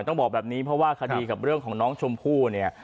ต้องบอกแบบนี้เพราะว่าคดีกับเรื่องของน้องชมพู่เนี่ย